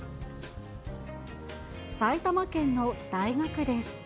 埼玉県の大学です。